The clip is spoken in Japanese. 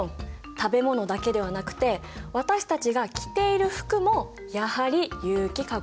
食べ物だけではなくて私たちが着ている服もやはり有機化合物。